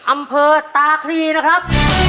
อำเภอตาครีนะครับ